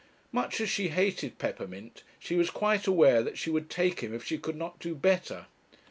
Much as she hated Peppermint, she was quite aware that she would take him if she could not do better.